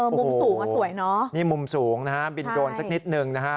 มุมสูงอ่ะสวยเนอะนี่มุมสูงนะฮะบินโดรนสักนิดนึงนะฮะ